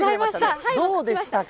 どうでしたか？